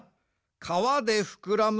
かわでふくらむ